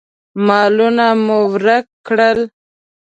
مالونه مو ورک کړل.